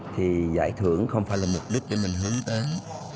thì giải thưởng không phải là mục đích để mình hướng tới